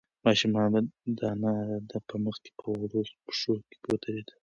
ماشوم د انا په مخ کې په وړوکو پښو ودرېد.